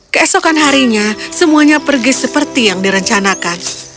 keesokan harinya semuanya pergi seperti yang direncanakan